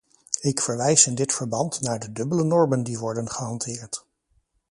Ik verwijs in dit verband naar de dubbele normen die worden gehanteerd.